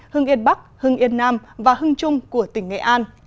hưng yên bắc hưng yên nam và hưng trung của tỉnh nghệ an